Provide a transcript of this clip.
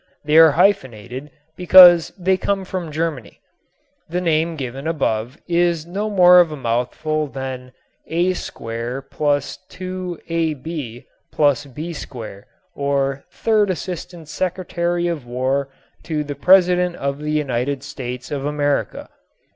They are hyphenated because they come from Germany. The name given above is no more of a mouthful than "a square plus two a b plus b square" or "Third Assistant Secretary of War to the President of the United States of America."